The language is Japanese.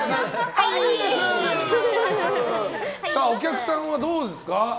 お客さんはどうですか？